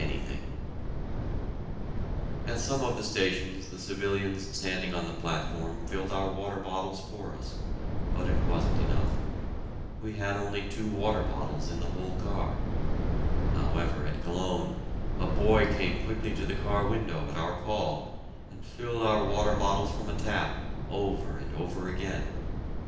[Illustration: Officers' Quarters in a German Military Prison] At some of the stations the civilians standing on the platform filled our water bottles for us, but it wasn't enough. We had only two water bottles in the whole car. However, at Cologne, a boy came quickly to the car window at our call, and filled our water bottles from a tap, over and over again.